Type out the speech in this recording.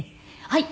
はい。